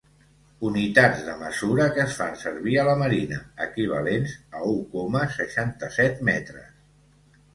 Unitats de mesura que es fan servir a la marina, equivalents a u coma seixanta-set metres.